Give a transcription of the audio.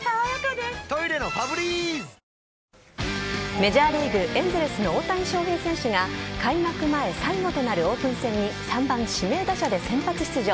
メジャーリーグ・エンゼルスの大谷翔平選手が開幕前最後となるオープン戦に３番・指名打者で先発出場。